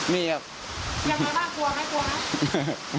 ไม่ได้กลัว